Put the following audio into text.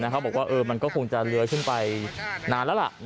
บอกว่ามันก็คงจะเลื้อยขึ้นไปนานแล้วล่ะ